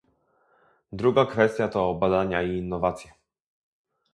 Druga kwestia to badania i innowacje